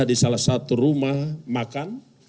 di salah satu rumah makan